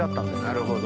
なるほど。